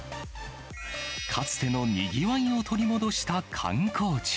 かつてのにぎわいを取り戻した観光地。